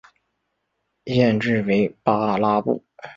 县治为巴拉布。